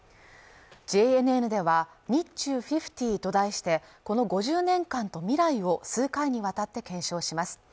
ＪＮＮでは日中５０と題してこの５０年間と未来を数回にわたって検証します